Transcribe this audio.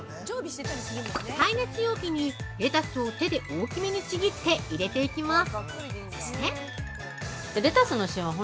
耐熱容器に、レタスを手で大きめにちぎって入れていきます。